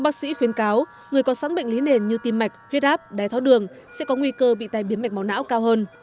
bác sĩ khuyến cáo người có sẵn bệnh lý nền như tim mạch huyết áp đái tháo đường sẽ có nguy cơ bị tai biến mạch máu não cao hơn